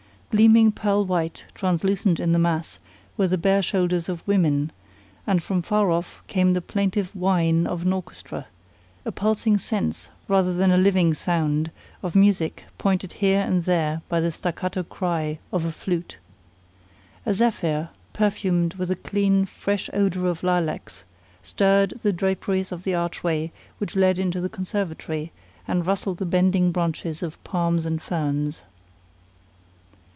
Gleaming pearl white, translucent in the mass, were the bare shoulders of women; and from far off came the plaintive whine of an orchestra, a pulsing sense rather than a living sound, of music, pointed here and there by the staccato cry of a flute. A zephyr, perfumed with the clean, fresh odor of lilacs, stirred the draperies of the archway which led into the conservatory and rustled the bending branches of palms and ferns.